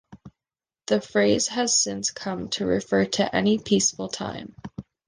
The phrase has since come to refer to any peaceful time.